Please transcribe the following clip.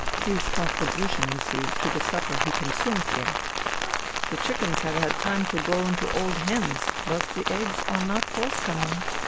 His contribution, you see, to the supper he consumes here ! The chickens have had time to grow into old hens — but the eggs are not forthcoming.